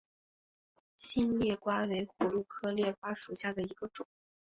新裂瓜为葫芦科裂瓜属下的一个种。